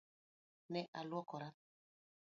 Ne aluokora.